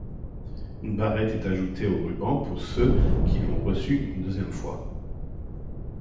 Une barrette est ajoutée au ruban pour ceux qui l'ont reçue une deuxième fois.